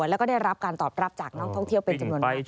แล้วก็ได้รับการตอบรับจากนักท่องเที่ยวเป็นจำนวนมาก